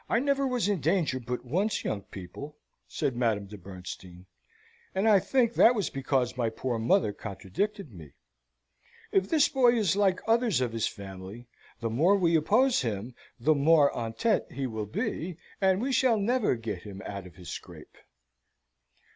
I never was in danger but once, young people," said Madame de Bernstein, "and I think that was because my poor mother contradicted me. If this boy is like others of his family, the more we oppose him, the more entete he will be; and we shall never get him out of his scrape."